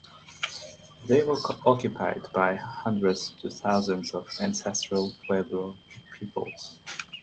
They were occupied by hundreds to thousands of Ancestral Pueblo peoples.